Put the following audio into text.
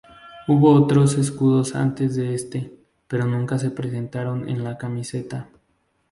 Hubo otros escudos antes de este, pero nunca se presentaron en la camiseta.